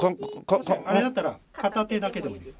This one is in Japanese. もしあれだったら片手だけでもいいです。